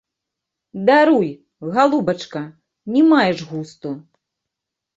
Даруй, галубачка, не маеш густу.